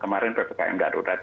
kemarin ppkm gak ada urat